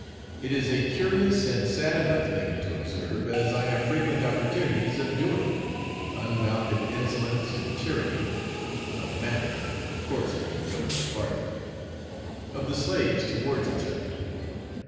It is a curious and sad enough thing to observe, as I have frequent opportunities of doing, the unbounded insolence and tyranny (of manner, of course it can go no farther), of the slaves towards each other.